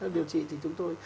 điều trị thì chúng tôi